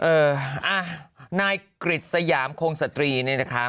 เอออ่ะนายกริจสยามคงสตรีเนี่ยนะคะ